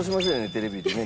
テレビでね